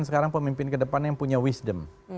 sekarang pemimpin kedepannya yang punya wisdom